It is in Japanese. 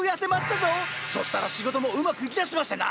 そしたら仕事もうまくいきだしましてな。